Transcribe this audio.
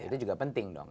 itu juga penting dong